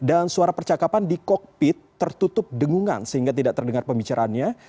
dan suara percakapan di kokpit tertutup dengungan sehingga tidak terdengar pembicaraannya